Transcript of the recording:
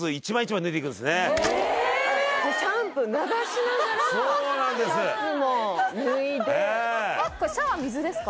シャンプー流しながらそうなんですシャツも脱いでこれシャワー水ですか？